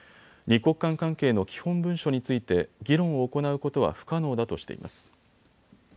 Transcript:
２国間関係の基本文書について議論を行うことは不可能だとしています。